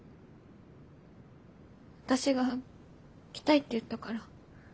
私が来たいって言ったから。